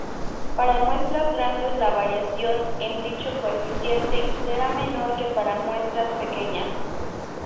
Para muestras grandes la variación en dicho coeficiente será menor que para muestras pequeñas.